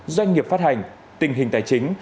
doanh nghiệp phát hành tình hình tài chính